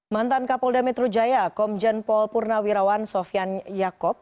mantan kapolda metro jaya komjen pol purna wirawan sofian yaakob